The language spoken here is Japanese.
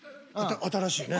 新しいね。